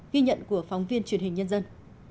ghi nhận của phóng viên truyền hình nhân dân